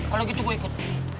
kalau gitu gue ikut